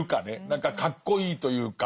何かかっこいいというか。